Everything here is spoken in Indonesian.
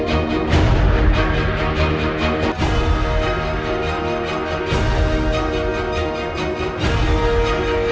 ini yang bikin berita hoax ya pak